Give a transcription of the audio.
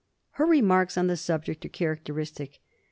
Her remarks on the subject are characteristic.